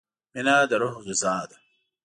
مینه د روح غذا ده.